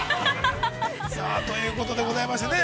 さあ、ということでございましてね。